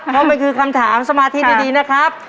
เพราะมันคือคำถามสมาธิดีนะครับ